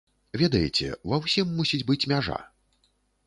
Ведаеце, ва ўсім мусіць быць мяжа.